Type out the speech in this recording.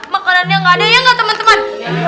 makanannya nggak ada ya nggak teman teman